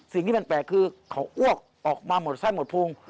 สิ่งที่มันแปลกคือเขาอ้วกออกมาหมดไส้หมดพุง